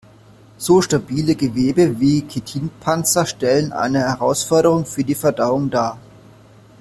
So stabile Gewebe wie Chitinpanzer stellen eine Herausforderung für die Verdauung dar.